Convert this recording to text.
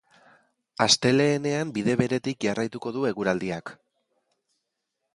Astelehenean bide beretik jarraituko du eguraldiak.